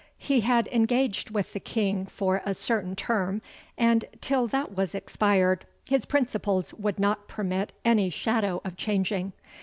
He had engaged with the King for a certain term, and, till that was expired, his principles would not permit any shadow of changing.